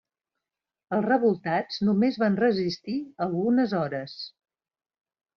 Els revoltats només van resistir algunes hores.